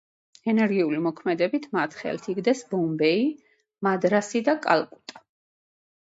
ენერგიული მოქმედებით მათ ხელთ იგდეს ბომბეი, მადრასი და კალკუტა.